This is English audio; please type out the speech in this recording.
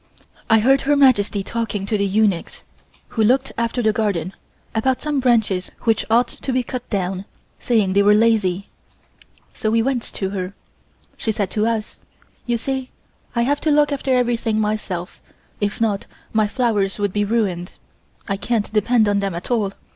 I heard Her Majesty talking to the eunuchs who looked after the garden, about some branches which ought to be cut down, saying they were lazy. So we went to her. She said to us: "You see I have to look after everything myself, if not, my flowers would be ruined. I can't depend on them at all.